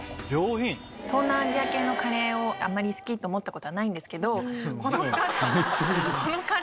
東南アジア系のカレーをあんまり好きって思ったことはないんですけど。